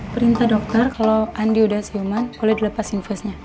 perintah dokter kalo andi udah siuman boleh dilepas infusnya